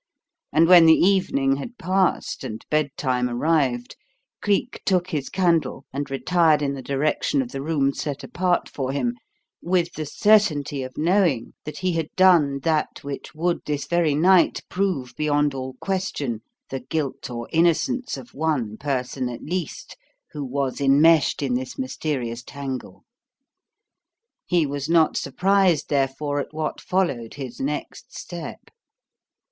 And when the evening had passed and bedtime arrived, Cleek took his candle and retired in the direction of the rooms set apart for him, with the certainty of knowing that he had done that which would this very night prove beyond all question the guilt or innocence of one person at least who was enmeshed in this mysterious tangle. He was not surprised, therefore, at what followed his next step.